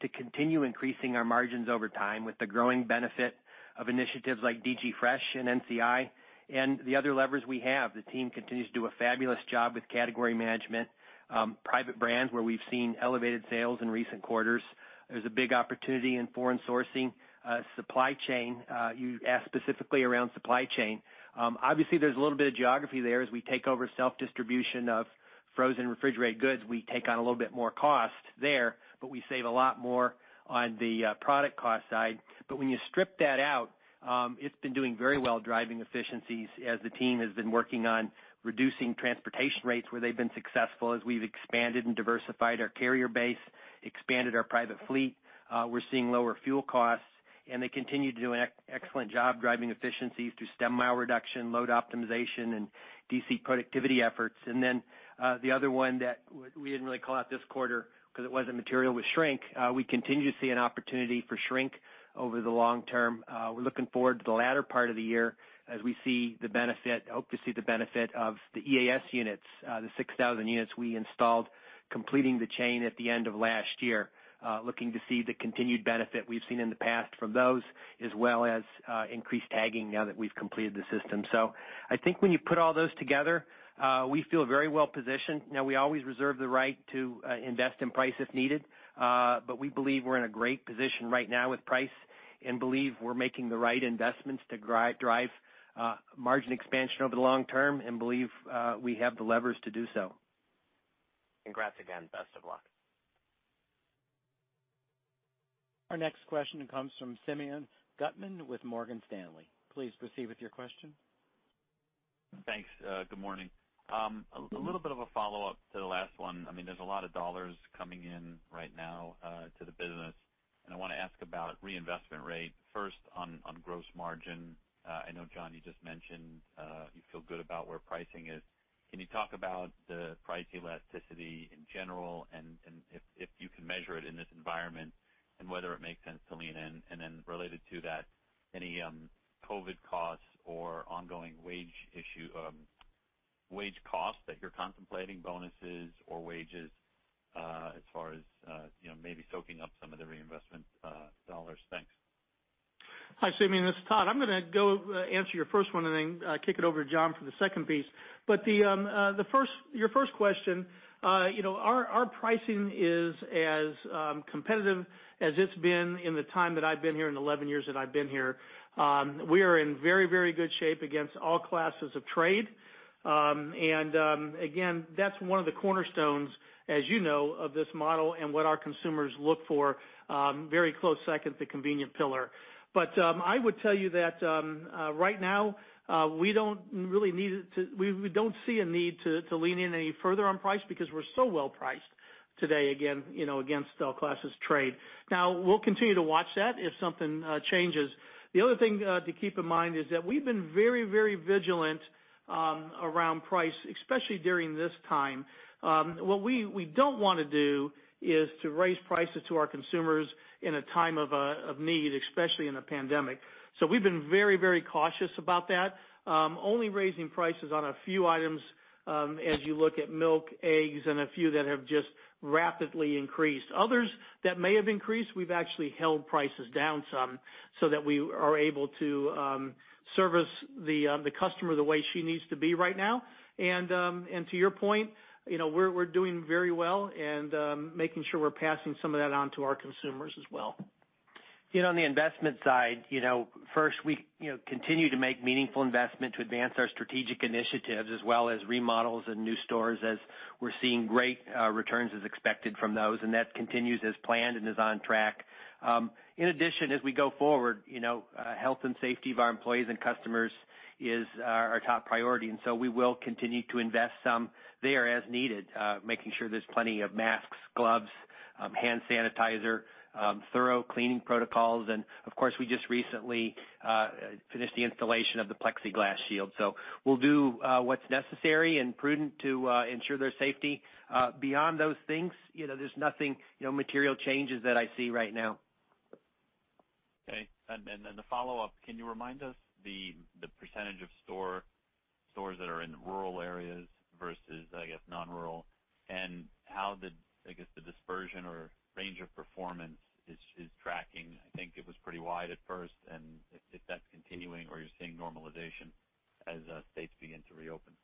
to continue increasing our margins over time with the growing benefit of initiatives like DG Fresh and NCI and the other levers we have. The team continues to do a fabulous job with category management, private brands, where we've seen elevated sales in recent quarters. There's a big opportunity in foreign sourcing, supply chain. You asked specifically around supply chain. Obviously, there's a little bit of geography there. As we take over self-distribution of frozen refrigerated goods, we take on a little bit more cost there, but we save a lot more on the product cost side. When you strip that out, it's been doing very well driving efficiencies as the team has been working on reducing transportation rates, where they've been successful as we've expanded and diversified our carrier base, expanded our private fleet. We're seeing lower fuel costs, and they continue to do an excellent job driving efficiencies through stem mile reduction, load optimization, and DC productivity efforts. Then, the other one that we didn't really call out this quarter because it wasn't material, was shrink. We continue to see an opportunity for shrink over the long term. We're looking forward to the latter part of the year as we hope to see the benefit of the EAS units, the 6,000 units we installed, completing the chain at the end of last year. Looking to see the continued benefit we've seen in the past from those, as well as increased tagging now that we've completed the system. I think when you put all those together, we feel very well positioned. We always reserve the right to invest in price if needed, but we believe we're in a great position right now with price and believe we're making the right investments to drive margin expansion over the long term and believe we have the levers to do so. Congrats again. Best of luck. Our next question comes from Simeon Gutman with Morgan Stanley. Please proceed with your question. Thanks. Good morning. A little bit of a follow-up to the last one. There's a lot of dollars coming in right now to the business. I want to ask about reinvestment rate, first on gross margin. I know, John, you just mentioned, you feel good about where pricing is. Can you talk about the price elasticity in general and if you can measure it in this environment and whether it makes sense to lean in? Related to that, any COVID costs or ongoing wage costs that you're contemplating, bonuses or wages, as far as maybe soaking up some of the reinvestment dollars? Thanks. Hi, Simeon, this is Todd. I'm going to go answer your first one and then kick it over to John for the second piece. Your first question, our pricing is as competitive as it's been in the time that I've been here, in the 11 years that I've been here. We are in very good shape against all classes of trade. Again, that's one of the cornerstones, as you know, of this model and what our consumers look for. Very close second, the convenient pillar. I would tell you that right now, we don't see a need to lean in any further on price because we're so well priced today, again, against all classes of trade. Now, we'll continue to watch that if something changes. The other thing to keep in mind is that we've been very vigilant around price, especially during this time. What we don't want to do is to raise prices to our consumers in a time of need, especially in a pandemic. We've been very cautious about that, only raising prices on a few items, as you look at milk, eggs, and a few that have just rapidly increased. Others that may have increased, we've actually held prices down some so that we are able to service the customer the way she needs to be right now. To your point, we're doing very well and making sure we're passing some of that on to our consumers as well. On the investment side, first, we continue to make meaningful investment to advance our strategic initiatives as well as remodels and new stores as we're seeing great returns as expected from those, that continues as planned and is on track. In addition, as we go forward, health and safety of our employees and customers is our top priority, we will continue to invest some there as needed, making sure there's plenty of masks, gloves, hand sanitizer, thorough cleaning protocols, and of course, we just recently finished the installation of the plexiglass shield. We'll do what's necessary and prudent to ensure their safety. Beyond those things, there's nothing, material changes that I see right now. Okay. The follow-up, can you remind us the percentage of stores that are in rural areas versus non-rural? How the dispersion or range of performance is tracking? I think it was pretty wide at first, and if that's continuing or you're seeing normalization as states begin to reopen.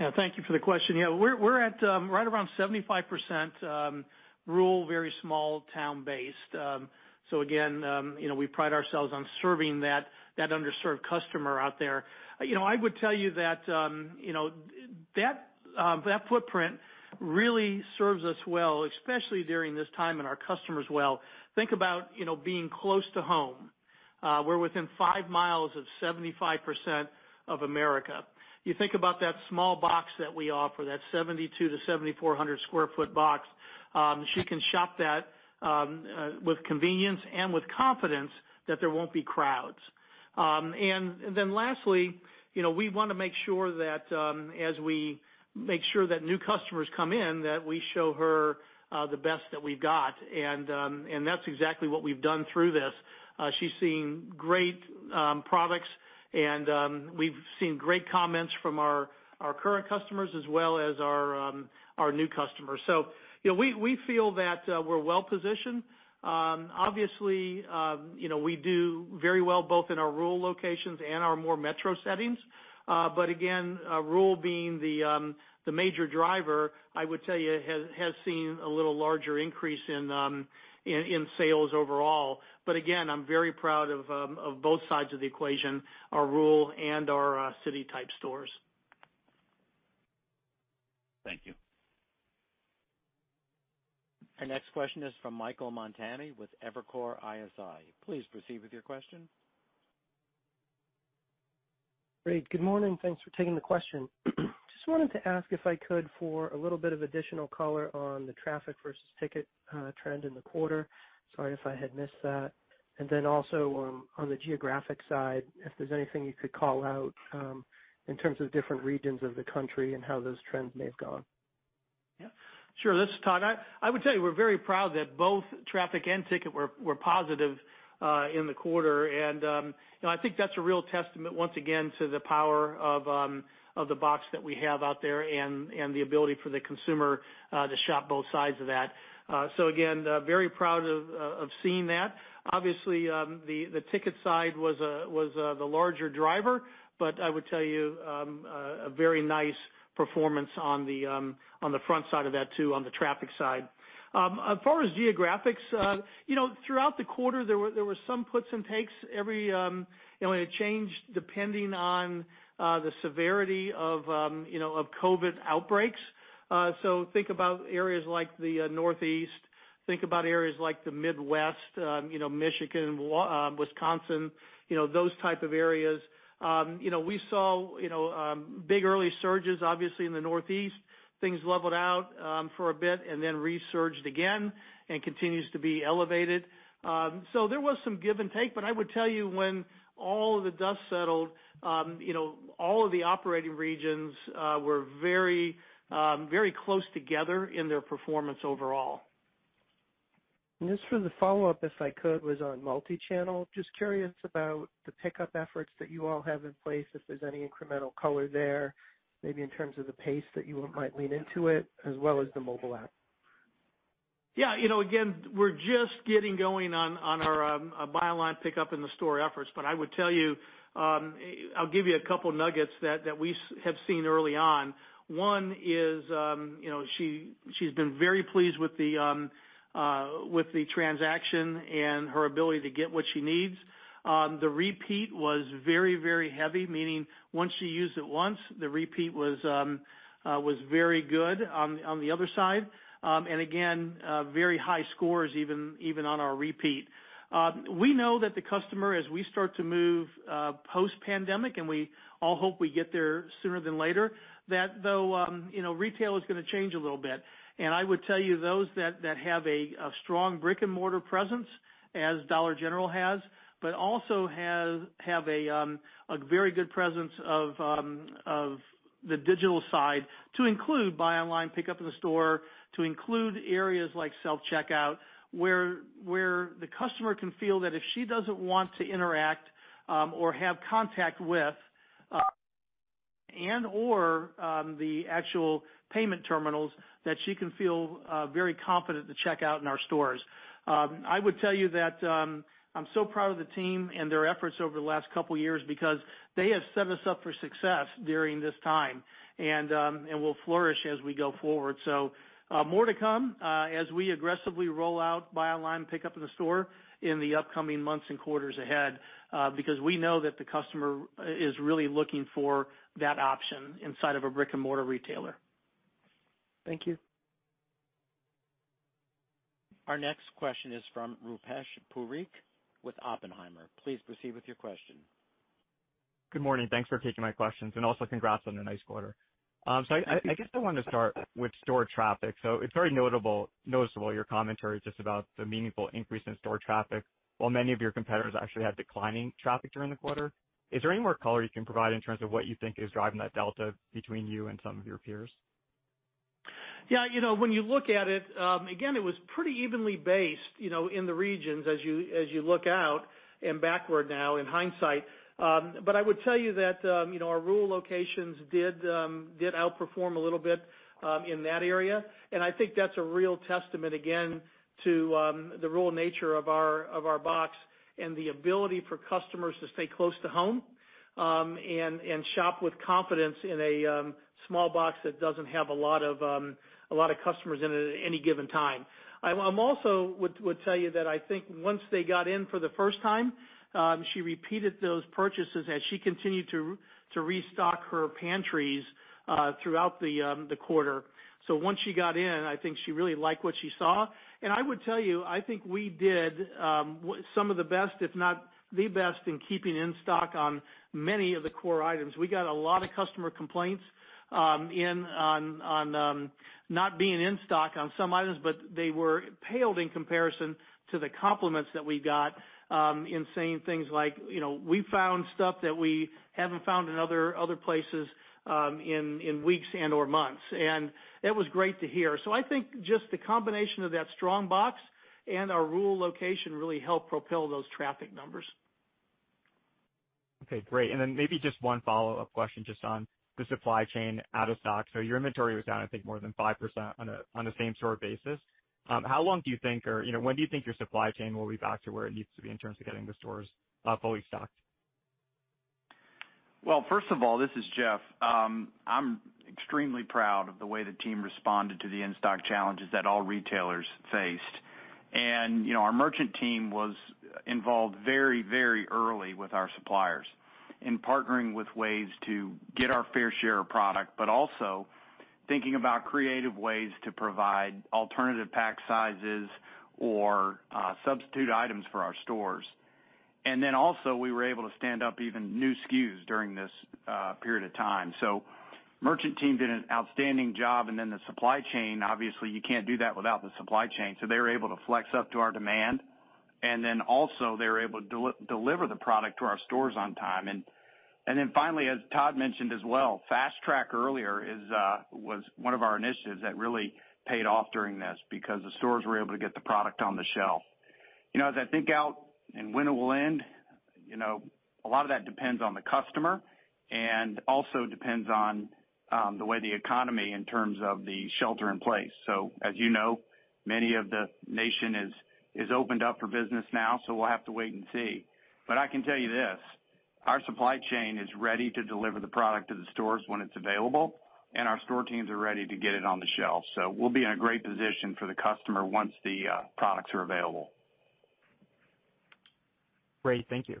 Yeah. Thank you for the question. We're at right around 75% rural, very small town based. Again, we pride ourselves on serving that underserved customer out there. I would tell you that footprint really serves us well, especially during this time, and our customers well. Think about being close to home. We're within five miles of 75% of America. You think about that small box that we offer, that 7,200-7,400 sq ft box. She can shop that with convenience and with confidence that there won't be crowds. Lastly, we want to make sure that as we make sure that new customers come in, that we show her the best that we've got. That's exactly what we've done through this. She's seeing great products. We've seen great comments from our current customers as well as our new customers. We feel that we're well-positioned. Obviously, we do very well both in our rural locations and our more metro settings. Again, rural being the major driver, I would tell you, has seen a little larger increase in sales overall. Again, I'm very proud of both sides of the equation, our rural and our city-type stores. Thank you. Our next question is from Michael Montani with Evercore ISI. Please proceed with your question. Great. Good morning. Thanks for taking the question. Just wanted to ask, if I could, for a little bit of additional color on the traffic versus ticket trend in the quarter. Sorry if I had missed that. Also, on the geographic side, if there's anything you could call out in terms of different regions of the country and how those trends may have gone. Yeah. Sure. This is Todd. I would tell you, we're very proud that both traffic and ticket were positive in the quarter. I think that's a real testament, once again, to the power of the box that we have out there and the ability for the consumer to shop both sides of that. Again, very proud of seeing that. Obviously, the ticket side was the larger driver. I would tell you, a very nice performance on the front side of that, too, on the traffic side. As far as geographics, throughout the quarter, there were some puts and takes. It changed depending on the severity of COVID-19 outbreaks. Think about areas like the Northeast, think about areas like the Midwest, Michigan, Wisconsin, those type of areas. We saw big early surges, obviously, in the Northeast. Things leveled out for a bit and then resurged again and continues to be elevated. There was some give and take, but I would tell you when all of the dust settled, all of the operating regions were very close together in their performance overall. Just for the follow-up, if I could, was on multi-channel. Just curious about the pickup efforts that you all have in place, if there's any incremental color there, maybe in terms of the pace that you might lean into it as well as the mobile app. Yeah. Again, we're just getting going on our buy online, pickup in the store efforts. I would tell you, I'll give you a couple nuggets that we have seen early on. One is, she's been very pleased with the transaction and her ability to get what she needs. The repeat was very heavy, meaning once she used it once, the repeat was very good on the other side. Again, very high scores even on our repeat. We know that the customer, as we start to move post-pandemic, and we all hope we get there sooner than later, that though retail is going to change a little bit. I would tell you, those that have a strong brick-and-mortar presence, as Dollar General has, but also have a very good presence of the digital side to include buy online, pickup in the store, to include areas like self-checkout, where the customer can feel that if she doesn't want to interact or have contact with, and/or the actual payment terminals, that she can feel very confident to check out in our stores. I would tell you that I'm so proud of the team and their efforts over the last couple of years because they have set us up for success during this time, and will flourish as we go forward. More to come as we aggressively roll out buy online, pickup in the store in the upcoming months and quarters ahead, because we know that the customer is really looking for that option inside of a brick-and-mortar retailer. Thank you. Our next question is from Rupesh Parikh with Oppenheimer. Please proceed with your question. Good morning. Thanks for taking my questions. Also congrats on a nice quarter. Thank you. I guess I wanted to start with store traffic. it's very noticeable, your commentary just about the meaningful increase in store traffic while many of your competitors actually had declining traffic during the quarter. Is there any more color you can provide in terms of what you think is driving that delta between you and some of your peers? Yeah. When you look at it, again, it was pretty evenly based in the regions as you look out and backward now in hindsight. I would tell you that our rural locations did outperform a little bit in that area, and I think that's a real testament, again, to the rural nature of our box and the ability for customers to stay close to home, and shop with confidence in a small box that doesn't have a lot of customers in it at any given time. I also would tell you that I think once they got in for the first time, she repeated those purchases as she continued to restock her pantries throughout the quarter. Once she got in, I think she really liked what she saw. I would tell you, I think we did some of the best, if not the best, in keeping in stock on many of the core items. We got a lot of customer complaints on not being in stock on some items, but they paled in comparison to the compliments that we got in saying things like, "We found stuff that we haven't found in other places in weeks and/or months." It was great to hear. I think just the combination of that strong box and our rural location really helped propel those traffic numbers. Okay, great. Maybe just one follow-up question just on the supply chain out of stock. Your inventory was down, I think, more than 5% on a same-store basis. How long do you think, or when do you think your supply chain will be back to where it needs to be in terms of getting the stores fully stocked? Well, first of all, this is Jeff. I'm extremely proud of the way the team responded to the in-stock challenges that all retailers faced. Our merchant team was involved very early with our suppliers in partnering with ways to get our fair share of product, but also thinking about creative ways to provide alternative pack sizes or substitute items for our stores. We were able to stand up even new SKUs during this period of time. The merchant team did an outstanding job, and then the supply chain, obviously you can't do that without the supply chain. They were able to flex up to our demand, and then also they were able to deliver the product to our stores on time. Finally, as Todd mentioned as well, Fast Track earlier was one of our initiatives that really paid off during this because the stores were able to get the product on the shelf. As I think out and when it will end, a lot of that depends on the customer and also depends on the way the economy, in terms of the shelter in place. Many of the nation is opened up for business now, we'll have to wait and see. Our supply chain is ready to deliver the product to the stores when it's available, and our store teams are ready to get it on the shelf. We'll be in a great position for the customer once the products are available. Great. Thank you.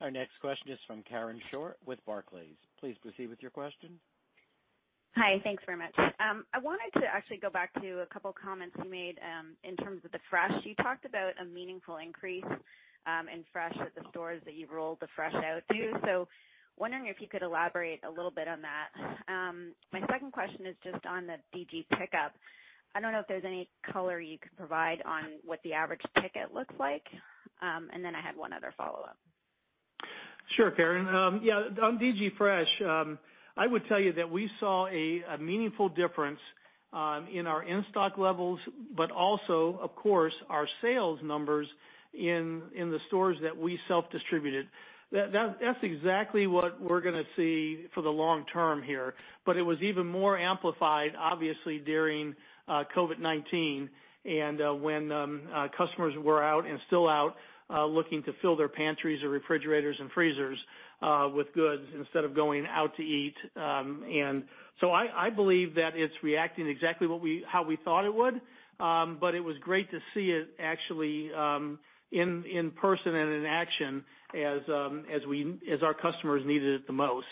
Our next question is from Karen Short with Barclays. Please proceed with your question. Hi. Thanks very much. I wanted to actually go back to a couple of comments you made in terms of the fresh. You talked about a meaningful increase in fresh at the stores that you've rolled the fresh out to. Wondering if you could elaborate a little bit on that. My second question is just on the DG Pickup. I don't know if there's any color you could provide on what the average ticket looks like. I had one other follow-up. Sure, Karen. Yeah, on DG Fresh, I would tell you that we saw a meaningful difference in our in-stock levels, but also, of course, our sales numbers in the stores that we self-distributed. That's exactly what we're going to see for the long term here, but it was even more amplified, obviously, during COVID-19 and when customers were out and still out looking to fill their pantries or refrigerators and freezers with goods instead of going out to eat. I believe that it's reacting exactly how we thought it would. It was great to see it actually in person and in action as our customers needed it the most.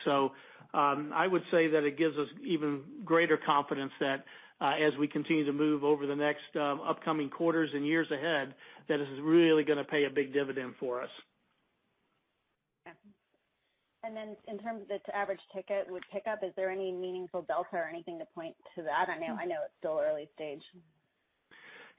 I would say that it gives us even greater confidence that as we continue to move over the next upcoming quarters and years ahead, that this is really going to pay a big dividend for us. Okay. In terms of the average ticket with pickup, is there any meaningful delta or anything to point to that? I know it's still early stage.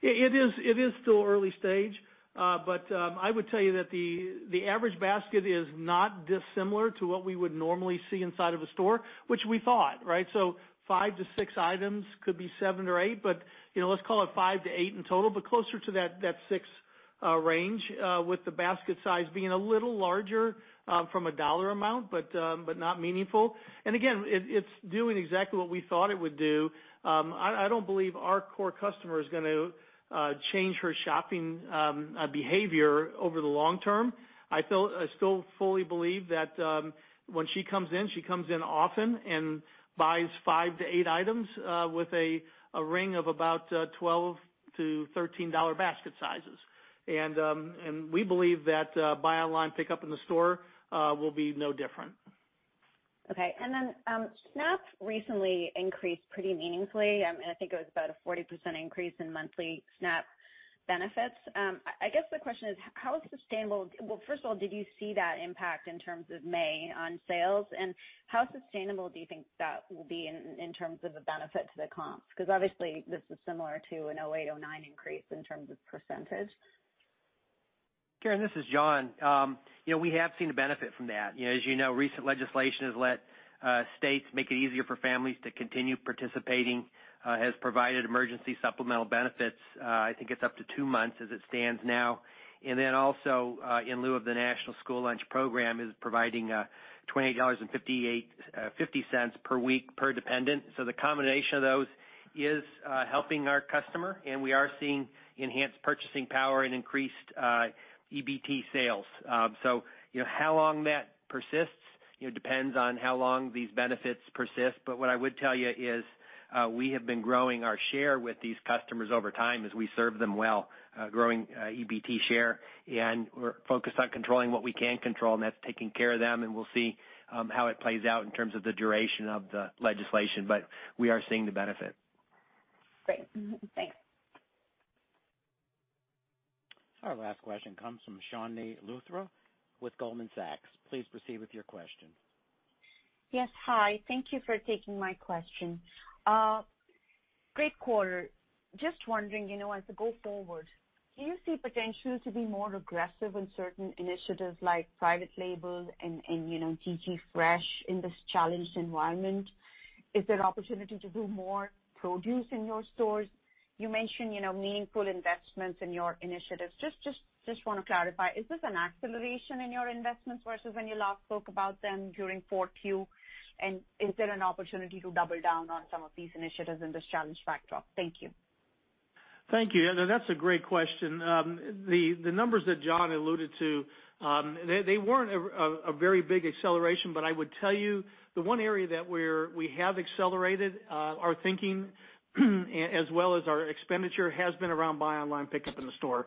It is still early stage. I would tell you that the average basket is not dissimilar to what we would normally see inside of a store, which we thought, right? Five to six items, could be seven or eight, but let's call it five to eight in total. Closer to that six range, with the basket size being a little larger from a dollar amount, but not meaningful. Again, it's doing exactly what we thought it would do. I don't believe our core customer is going to change her shopping behavior over the long term. I still fully believe that when she comes in, she comes in often and buys five to eight items with a ring of about $12-$13 basket sizes. We believe that buy online, pick up in store will be no different. Okay. SNAP recently increased pretty meaningfully. I think it was about a 40% increase in monthly SNAP benefits. I guess the question is, well, first of all, did you see that impact in terms of May on sales, and how sustainable do you think that will be in terms of the benefit to the comps? Obviously, this is similar to a 2008, 2009 increase in terms of percentage. Karen, this is John. We have seen the benefit from that. As you know, recent legislation has let states make it easier for families to continue participating, has provided emergency supplemental benefits, I think it's up to two months as it stands now. Also, in lieu of the National School Lunch Program, is providing $28.50 per week per dependent. The combination of those is helping our customer, and we are seeing enhanced purchasing power and increased EBT sales. How long that persists depends on how long these benefits persist. What I would tell you is we have been growing our share with these customers over time as we serve them well, growing EBT share. We're focused on controlling what we can control, and that's taking care of them, and we'll see how it plays out in terms of the duration of the legislation. We are seeing the benefit. Great. Thanks. Our last question comes from Chandni Luthra with Goldman Sachs. Please proceed with your question. Yes. Hi. Thank you for taking my question. Great quarter. Just wondering, as we go forward, do you see potential to be more aggressive in certain initiatives like private label and DG Fresh in this challenged environment? Is there opportunity to do more produce in your stores? You mentioned meaningful investments in your initiatives. Just want to clarify, is this an acceleration in your investments versus when you last spoke about them during Q4? Is there an opportunity to double down on some of these initiatives in this challenged backdrop? Thank you. Thank you. That's a great question. The numbers that John alluded to, they weren't a very big acceleration, but I would tell you the one area that we have accelerated our thinking as well as our expenditure, has been around buy online, pickup in the store.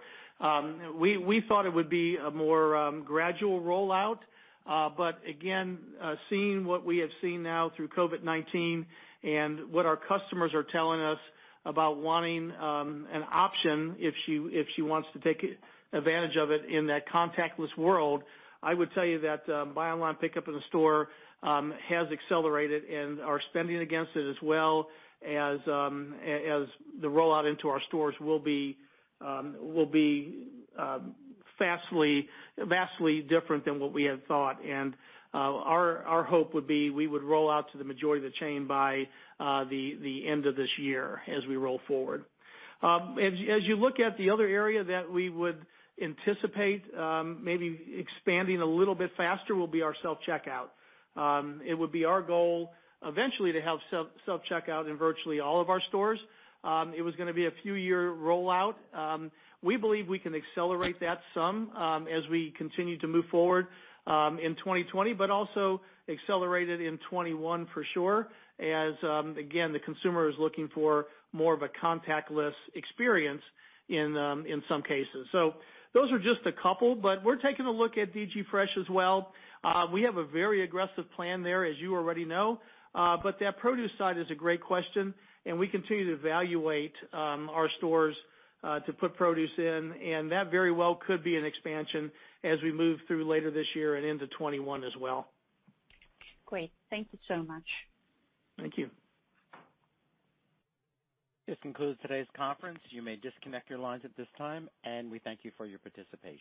We thought it would be a more gradual rollout. Again, seeing what we have seen now through COVID-19 and what our customers are telling us about wanting an option if she wants to take advantage of it in that contactless world, I would tell you that buy online, pickup in store has accelerated, and our spending against it as well as the rollout into our stores will be vastly different than what we had thought. Our hope would be we would roll out to the majority of the chain by the end of this year as we roll forward. As you look at the other area that we would anticipate maybe expanding a little bit faster will be our self-checkout. It was going to be a few year rollout. We believe we can accelerate that some, as we continue to move forward in 2020, but also accelerate it in 2021 for sure, as, again, the consumer is looking for more of a contactless experience in some cases. Those are just a couple, but we're taking a look at DG Fresh as well. We have a very aggressive plan there, as you already know. That produce side is a great question, and we continue to evaluate our stores to put produce in, and that very well could be an expansion as we move through later this year and into 2021 as well. Great. Thank you so much. Thank you. This concludes today's conference. You may disconnect your lines at this time, and we thank you for your participation.